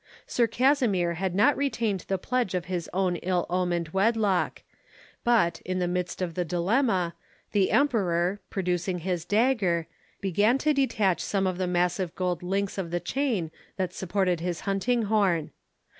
Sir Kasimir had not retained the pledge of his own ill omened wedlock; but, in the midst of the dilemma, the Emperor, producing his dagger, began to detach some of the massive gold links of the chain that supported his hunting horn.